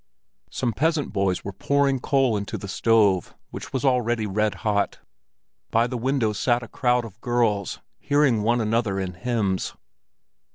Some peasant boys were pouring coal into the stove, which was already red hot; by the windows sat a crowd of girls, hearing one another in hymns.